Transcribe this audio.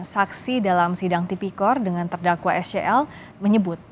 saksi dalam sidang tipikor dengan terdakwa scl menyebut